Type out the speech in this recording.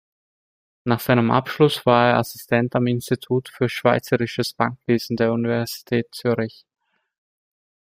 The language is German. Nach seinem Abschluss war er Assistent am Institut für schweizerisches Bankwesen der Universität Zürich.